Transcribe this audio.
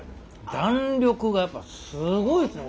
弾力がやっぱすごいですね